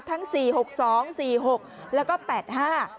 ทั้งสี่หกสองสี่หกแล้วก็แปดห้า